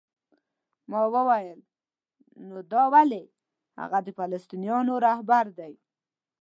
ما وویل: نو دا ولې؟ هغه د فلسطینیانو رهبر دی؟